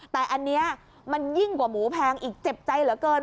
แต่อันนี้มันยิ่งกว่าหมูแพงอีกเจ็บใจเหลือเกิน